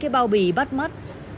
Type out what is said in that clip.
vì bắt mất